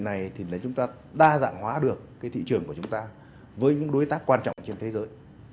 hiệp định này thì chúng ta đa dạng hóa được thị trường của chúng ta với những đối tác quan trọng trên thế giới